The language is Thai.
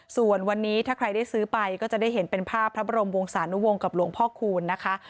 ส่วนวันนี้ถ้าใครได้ซื้อไปก็จะได้เห็นเป็นภาพพระบรมวงศานุวงศ์กับหลวงพ่อคูณนะคะ